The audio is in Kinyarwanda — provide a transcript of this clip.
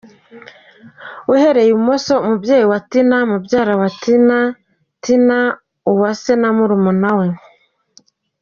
Uhereye i Bumoso; Umubyeyi wa Tina, mubyara we, Tina Uwase na murumuna we.